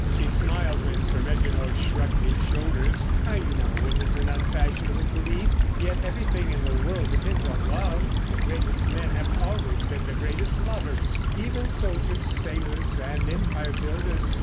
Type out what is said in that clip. She smiled when Sir Reginald shrugged his shoulders. "I know it's an unfashionable belief, yet everything in the world depends on love. The greatest men have always been the greatest lovers; even soldiers, sailors, and Empire builders.